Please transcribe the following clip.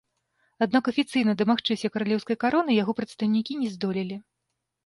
Аднак афіцыйна дамагчыся каралеўскай кароны яго прадстаўнікі не здолелі.